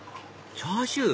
チャーシュー？